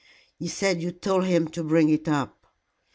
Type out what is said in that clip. "He said you told him to bring it up."